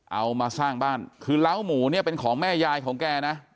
เอามาสร้างบ้านคือเล้าหมูเนี่ยเป็นของแม่ยายของแกนะ